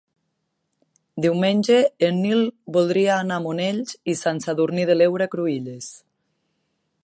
Diumenge en Nil voldria anar a Monells i Sant Sadurní de l'Heura Cruïlles.